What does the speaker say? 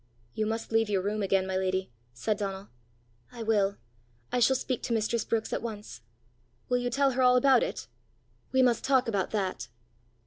"You must leave your room again, my lady!" said Donal. "I will. I shall speak to mistress Brookes at once." "Will you tell her all about it?" "We must talk about that!"